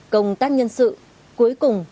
công tác nhân sự cuối cùng